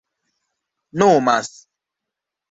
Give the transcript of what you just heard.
nomas